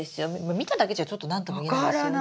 見ただけじゃちょっと何とも言えないですよね。